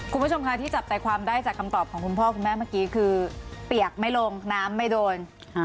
คุณผู้ชมค่ะที่จับใจความได้จากคำตอบของคุณพ่อคุณแม่เมื่อกี้คือเปียกไม่ลงน้ำไม่โดน